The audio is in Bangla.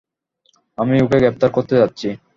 আমি ওকে গ্রেফতার করতে যাচ্ছি।